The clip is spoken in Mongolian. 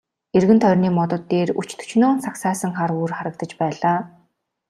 Эргэн тойрны модод дээр өч төчнөөн сагсайсан хар үүр харагдаж байлаа.